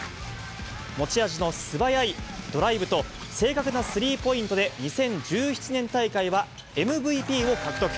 持ち味の素早いドライブと正確なスリーポイントで、２０１７年大会はＭＶＰを獲得。